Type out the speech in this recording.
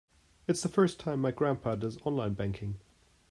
It's the first time my grandpa does online banking.